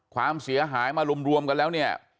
ความเสียหายมารวมกันแล้วเนี่ย